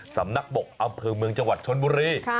สำนักบกอำเภอเมืองจังหวัดชนบุรี